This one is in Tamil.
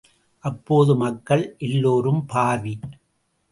அப்போது மக்கள் எல்லோரும், பாவி!